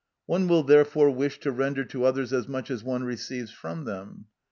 One will therefore wish to render to others as much as one receives from them.